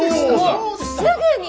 もうすぐに！